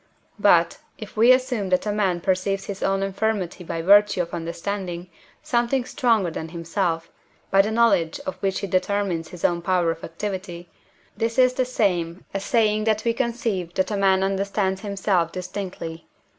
But, if we assume that a man perceives his own infirmity by virtue of understanding something stronger than himself, by the knowledge of which he determines his own power of activity, this is the same as saying that we conceive that a man understands himself distinctly (IV.